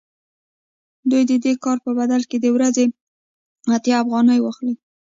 دوی د دې کار په بدل کې د ورځې اتیا افغانۍ واخلي